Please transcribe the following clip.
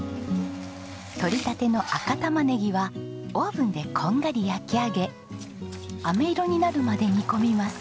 とりたての赤タマネギはオーブンでこんがり焼き上げあめ色になるまで煮込みます。